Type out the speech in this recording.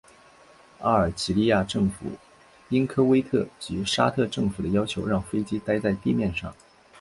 阿尔及利亚政府应科威特及沙特政府的要求让飞机待在地面上。